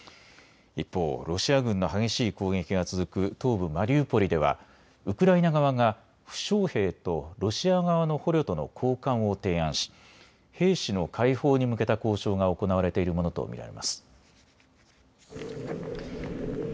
一方、ロシア軍の激しい攻撃が続く東部マリウポリではウクライナ側が負傷兵とロシア側の捕虜との交換を提案し兵士の解放に向けた交渉が行われているものと見られます。